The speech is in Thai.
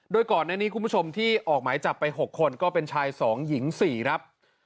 โดยก่อนหน้านี้คุณผู้ชมที่ออกหมายจับไป๖คนก็เป็นชาย๒หญิง๔ครับ